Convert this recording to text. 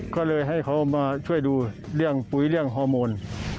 ก็เลยให้เขามาช่วยดูเรื่องปุ๋ยเรื่องฮอร์โมน